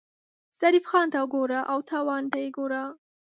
ظریف خان ته ګوره او تاوان ته یې ګوره.